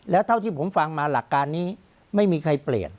แล้วเท่าที่ผมฟังมาหลักการนี้ไม่มีใครเปลี่ยน